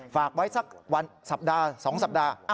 ฝากไว้สักวันสัปดาห์๒สัปดาห์